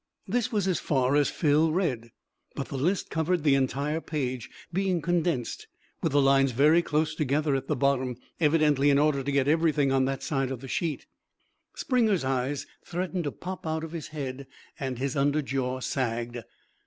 This was as far as Phil read, but the list covered the entire page, being condensed, with the lines very close together, at the bottom, evidently in order to get everything on that side of the sheet. Springer's eyes threatened to pop out of his head and his under jaw sagged.